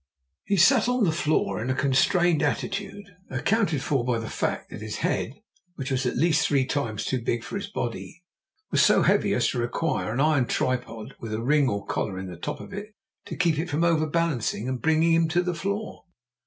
He sat on the floor in a constrained attitude, accounted for by the fact that his head, which was at least three times too big for his body, was so heavy as to require an iron tripod with a ring or collar in the top of it to keep it from overbalancing him and bringing him to the floor.